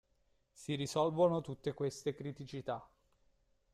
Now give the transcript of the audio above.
Si risolvono tutte queste criticità.